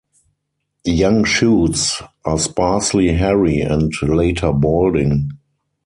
Young shoots are sparsely hairy and later balding.